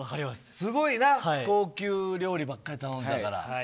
すごいな、高級料理ばっかり頼んでたから。